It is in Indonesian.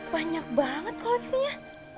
banyak banget koleksinya